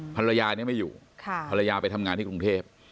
ภรรยานี้ไม่อยู่ภรรยาไปทำงานที่กรุงเทพ